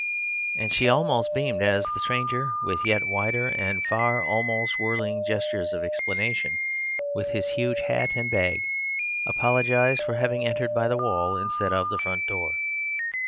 And she almost beamed as the stranger, with yet wider and almost whirling gestures of explanation with his huge hat and bag, apologized for having entered by the wall instead of the front door.